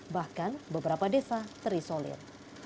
bahkan beberapa desa terisolir